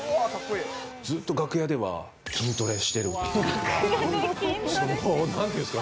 ずっと楽屋では筋トレしてるというか。